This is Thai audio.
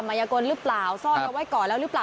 นายกลหรือเปล่าซ่อนเอาไว้ก่อนแล้วหรือเปล่า